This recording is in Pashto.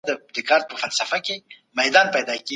کله به د حکومت او مدني ټولني ترمنځ همکاري زیاته سي؟